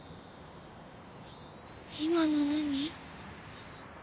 今の何？